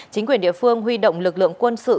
chính quyền địa phương huy động lực lượng quân sự